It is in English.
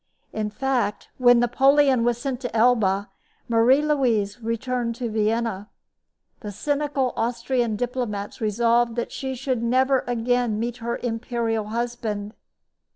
In fact, when Napoleon was sent to Elba, Marie Louise returned to Vienna. The cynical Austrian diplomats resolved that she should never again meet her imperial husband.